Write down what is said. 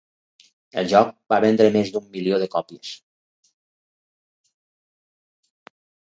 El joc va vendre més d'un milió de còpies.